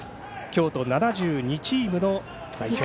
京都７２チームの代表。